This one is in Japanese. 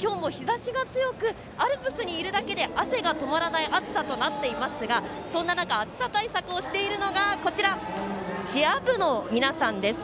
今日も日ざしが強くアルプスにいるだけで汗が止まらない暑さとなっていますが、そんな中暑さ対策をしているのがこちら、チア部の皆さんです。